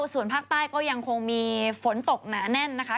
ส่วนภาคใต้ก็ยังคงมีฝนตกหนาแน่นนะคะ